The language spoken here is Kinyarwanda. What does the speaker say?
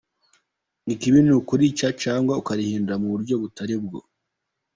Ikibi ni ukuryica cyangwa kurihindura mu buryo butari bwo.